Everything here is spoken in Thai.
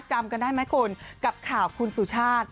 จำกันได้ไหมคุณกับข่าวคุณสุชาติ